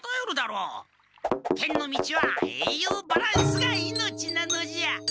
剣の道はえいようバランスが命なのじゃ！